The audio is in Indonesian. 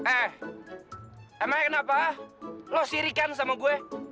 eh emang kenapa lo sirikan sama gue